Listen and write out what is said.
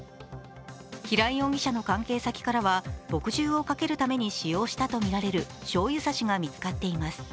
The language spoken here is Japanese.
平井容疑者の関係先からは墨汁をかけるために使用したとみられるしょうゆ差しが見つかっています。